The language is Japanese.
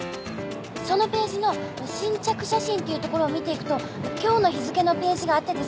そのページの新着写真っていう所を見ていくと今日の日付のページがあってですね。